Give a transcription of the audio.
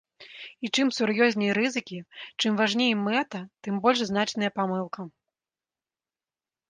І чым сур'ёзней рызыкі, чым важней мэта, тым больш значныя памылка.